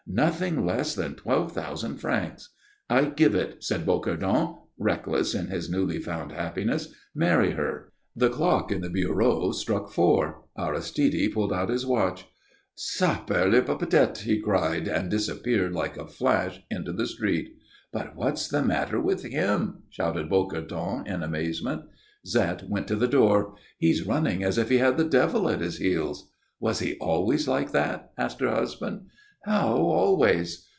"Nothing less than twelve thousand francs." "I give it," said Bocardon, reckless in his newly found happiness. "Marry her." The clock in the bureau struck four. Aristide pulled out his watch. "Saperlipopette!" he cried, and disappeared like a flash into the street. "But what's the matter with him?" shouted Bocardon, in amazement. Zette went to the door. "He's running as if he had the devil at his heels." "Was he always like that?" asked her husband. "How always?"